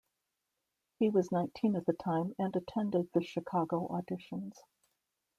He was nineteen at the time and attended the Chicago auditions.